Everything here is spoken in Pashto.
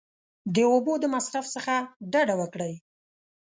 د اوبو د مصرف څخه ډډه وکړئ !